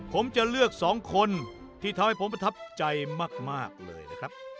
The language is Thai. ผมจะเลือกสองคนที่ทำให้ผมประทับใจมากเลยนะครับ